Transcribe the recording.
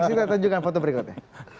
kita tunjukkan foto berikutnya